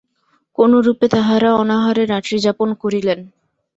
কোনরূপে তাঁহারা অনাহারে রাত্রিযাপন করিলেন।